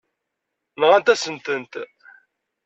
Nɣant-asen-tent.